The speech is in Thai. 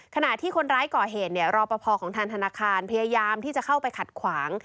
ขณะที่คนร้ายก่อเหตุเนี่ยรอปภของทางธนาคารพยายามที่จะเข้าไปขัดขวาง